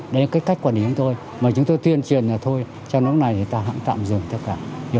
đấy là cách quản lý của chúng tôi mà chúng tôi tuyên truyền là thôi trong lúc này người ta tạm dừng tất cả